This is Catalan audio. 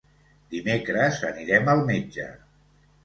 Dimecres anirem al metge.